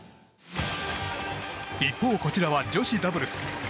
一方、こちらは女子ダブルス。